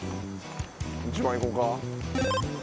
１番いこうか。